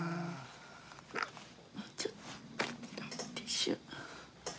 「ちょっとティッシュ。